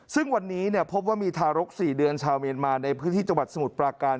ซึ่งวันนี้พบว่ามีทารก๔เดือนชาวเมียนมาในพื้นที่จังหวัดสมุทรปราการ